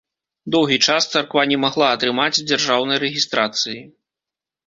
Доўгі час царква не магла атрымаць дзяржаўнай рэгістрацыі.